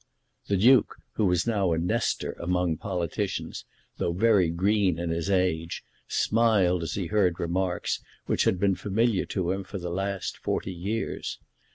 The Duke, who was now a Nestor among politicians, though very green in his age, smiled as he heard remarks which had been familiar to him for the last forty years.